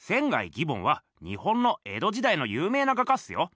義梵は日本の江戸時代の有名な画家っすよ。